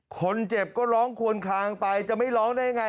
คนเจ็บก็ร้องควนคลางไปจะไม่ร้องได้ยังไง